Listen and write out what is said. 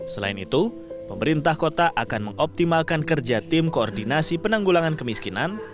selain itu pemerintah kota akan mengoptimalkan kerja tim koordinasi penanggulangan kemiskinan